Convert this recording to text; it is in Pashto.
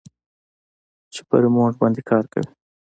چې په ريموټ باندې کار کوي.